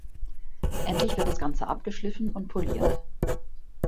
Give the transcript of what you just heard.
Endlich wird das Ganze abgeschliffen und poliert.